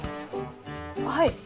はい。